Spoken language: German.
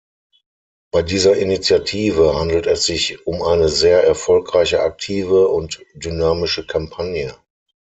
Bei dieser Initiative handelt es sich um eine sehr erfolgreiche, aktive und dynamische Kampagne.